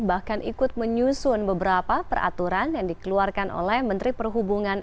bahkan ikut menyusun beberapa peraturan yang dikeluarkan oleh menteri perhubungan